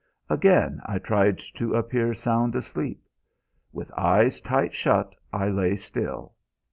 Again I tried to appear sound asleep. With eyes tight shut I lay still.